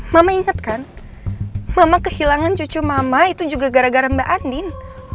mama inget kan mama kehilangan cucu mama itu juga gara gara mbak andin